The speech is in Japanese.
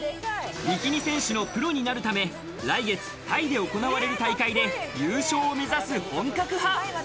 ビキニ選手のプロになるため、来月タイで行われる大会で優勝を目指す本格派。